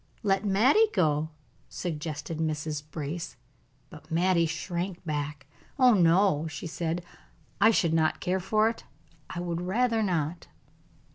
"Let Mattie go," suggested Mrs. Brace. But Mattie shrank back. "Oh, no!" she said, "I should not care for it, I would rather not."